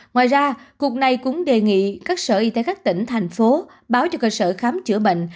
ngoài ra cục này cũng đề nghị các sở y tế các tỉnh thành phố báo cho cơ sở khám chữa bệnh